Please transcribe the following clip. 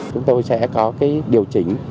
chúng tôi sẽ có điều chỉnh